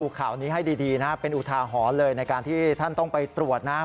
ข่าวนี้ให้ดีนะเป็นอุทาหรณ์เลยในการที่ท่านต้องไปตรวจนะครับ